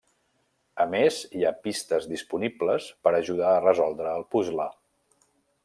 A més, hi ha pistes disponibles per ajudar a resoldre el puzle.